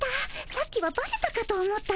さっきはバレたかと思ったよ。